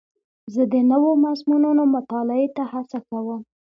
زه د نوو مضمونونو مطالعې ته هڅه کوم.